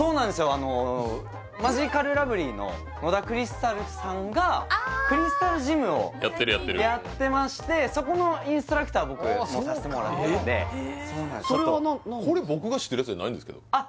あのマヂカルラブリーの野田クリスタルさんがクリスタルジムをやってるやってるやってましてそこのインストラクター僕さしてもらっててこれ僕が知ってるやつじゃないんですけどあっ